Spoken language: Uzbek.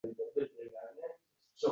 Bu savollar aqlingizning yoqasidan oladi.